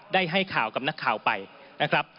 ได้ให้ข่าวกับนักข่าวไปนะครับ